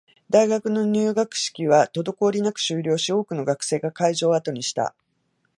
大学の入学式は滞りなく終了し、多くの学生が会場を後にした